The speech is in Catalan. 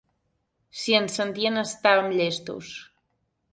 Si ens sentien estàvem llestos.